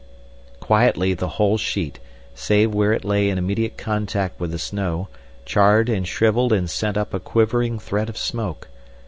Quietly the whole sheet, save where it lay in immediate contact with the snow, charred and shrivelled and sent up a quivering thread of smoke.